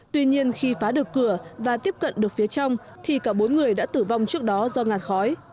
tuy nhiên khi phá được cửa và tiếp cận được phía trong thì cả bốn người đã tử vong trước đó do ngạt khói